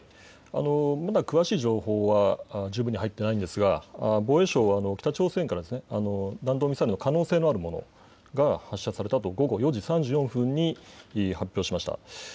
まだ詳しい情報は十分に入っていないんですが防衛省は北朝鮮から弾道ミサイルの可能性のあるものが発射されたと午後４時３４分に発表しました。